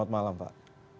baik selamat malam pak